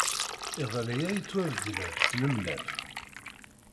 Iḍelli ay d-ttwabeddlent tlemlaf.